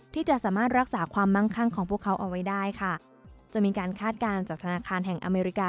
ที่จะสามารถรักษาความมั่งคั่งของพวกเขาเอาไว้ได้ค่ะจะมีการคาดการณ์จากธนาคารแห่งอเมริกา